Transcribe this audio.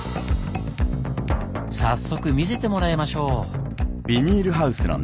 早速見せてもらいましょう！